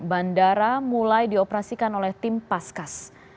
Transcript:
bandara mulai dioperasikan oleh tim paskas